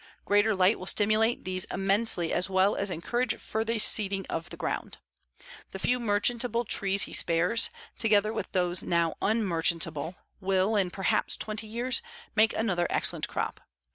Greater light will stimulate these immensely as well as encourage further seeding of the ground. The few merchantable trees he spares, together with those now unmerchantable, will, in perhaps twenty years, make another excellent crop.